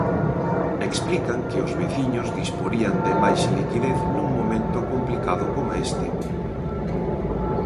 Explican que os veciños disporían de máis liquidez nun momento complicado coma este.